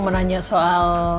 ya mau menanya soal